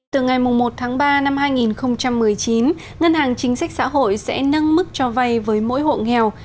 từ ngày một tháng ba năm hai nghìn một mươi chín ngân hàng chính sách xã hội sẽ nâng mức cho vay với mỗi hộ nghèo